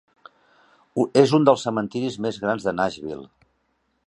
És un dels cementiris més grans de Nashville.